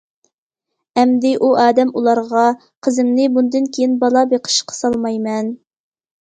ئەمدى ئۇ ئادەم ئۇلارغا:- قىزىمنى بۇندىن كىيىن بالا بېقىشقا سالمايمەن.